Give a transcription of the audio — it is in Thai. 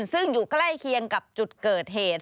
ซึ่งอยู่ใกล้เคียงกับจุดเกิดเหตุ